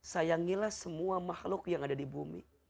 sayangilah semua makhluk yang ada di bumi